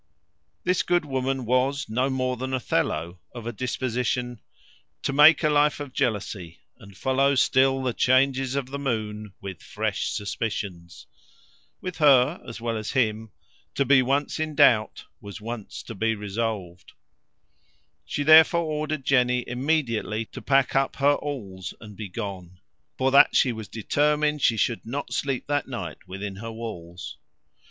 This good woman was, no more than Othello, of a disposition To make a life of jealousy And follow still the changes of the moon With fresh suspicions With her, as well as him, To be once in doubt, Was once to be resolvd she therefore ordered Jenny immediately to pack up her alls and begone, for that she was determined she should not sleep that night within her walls.